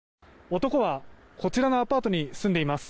男はこちらのアパートに住んでいます。